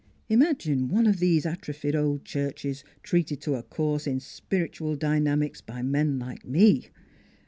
Imagine one of these atrophied old churches treated to a course in spiritual dynamics by men like me.